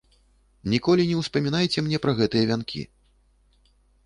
Ніколі не ўспамінайце мне пра гэтыя вянкі.